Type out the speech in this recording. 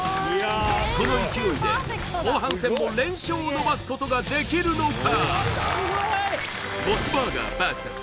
この勢いで後半戦も連勝を伸ばすことができるのか？